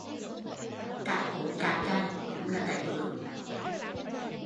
Cãi cối cãi chày, đúng là cãi bướng